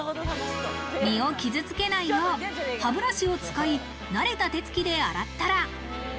身を傷付けないよう歯ブラシを使い、慣れた手付きで洗ったら。